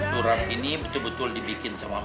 turang ini betul betul dibikin sama orang tua